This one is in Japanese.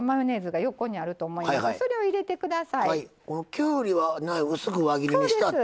きゅうりは薄く輪切りにしてあって。